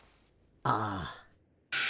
ああ。